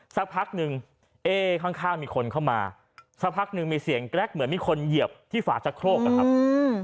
สักพักหนึ่งเอ๊ข้างข้างมีคนเข้ามาสักพักหนึ่งมีเสียงแกรกเหมือนมีคนเหยียบที่ฝาชะโครกนะครับอืม